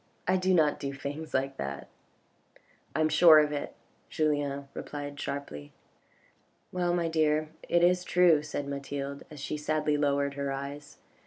I do not do things like that." " I am sure of it," Julien replied sharply. "Well, my dear, it is true," said Mathilde, as she sadly lowered her eyes.